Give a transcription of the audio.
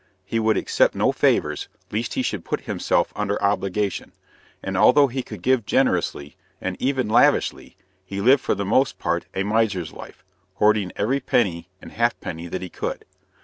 He would accept no favors, lest he should put himself under obligation; and although he could give generously, and even lavishly, he lived for the most part a miser's life, hoarding every penny and halfpenny that he could.